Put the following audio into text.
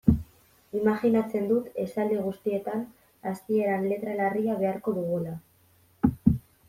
Imajinatzen dut esaldi guztietan hasieran letra larria beharko dugula.